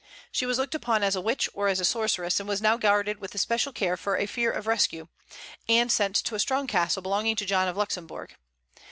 She was looked upon as a witch or as a sorceress, and was now guarded with especial care for fear of a rescue, and sent to a strong castle belonging to John of Luxemburg.